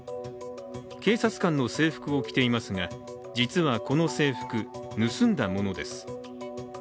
警察官の制服を着ていますが実はこの制服、盗んだものです。